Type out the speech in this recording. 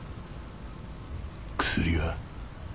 薬は？